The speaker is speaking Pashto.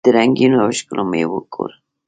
د رنګینو او ښکلو میوو کور.